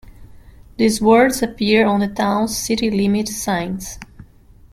These words appear on the town's city limits signs.